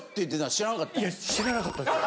知らかったですよ。